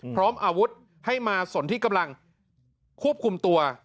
พร้อมอาวุธให้มาสนที่กำลังควบคุมตัว